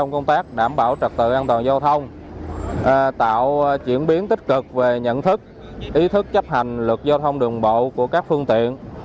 công tác đảm bảo trật tự an toàn giao thông tạo chuyển biến tích cực về nhận thức ý thức chấp hành luật giao thông đường bộ của các phương tiện